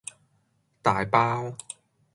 大包